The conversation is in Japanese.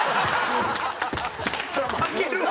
そりゃ負けるわ！